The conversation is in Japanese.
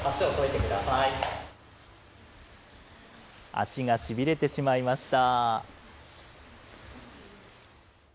脚がしびれてしまいました。